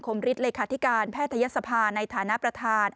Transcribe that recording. มฤทธิเลขาธิการแพทยศภาในฐานะประธาน